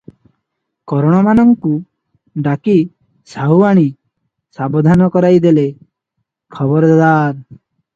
କରଣମାନଙ୍କୁ ଡାକି ସାହୁଆଣୀ ସାବଧାନ କରାଇଦେଲେ, "ଖବରଦାର!